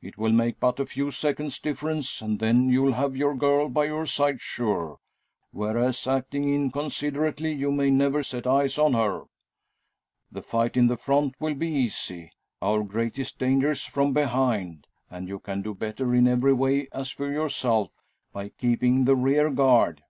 It will make but a few seconds' difference; and then you'll have your girl by your side, sure. Whereas, acting inconsiderately, you may never set eyes on her. The fight in the front will be easy. Our greatest danger's from behind; and you can do better in every way, as for yourself, by keeping the rear guard."